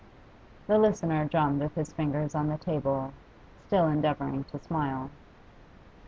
The listener drummed with his fingers on the table, still endeavouring to smile.